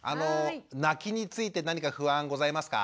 泣きについて何か不安ございますか？